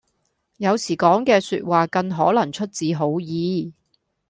有時講嘅說話更可能出自好意